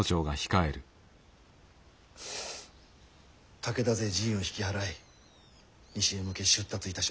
武田勢陣を引き払い西へ向け出立いたしました。